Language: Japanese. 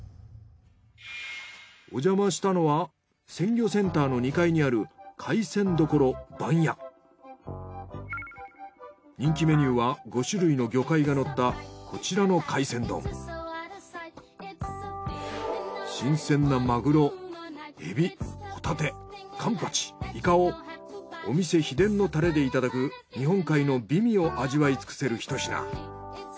おじゃましたのは鮮魚センターの２階にある人気メニューは５種類の魚介がのったこちらの新鮮なマグロエビホタテカンパチイカをお店秘伝のタレでいただく日本海の美味を味わい尽くせるひと品。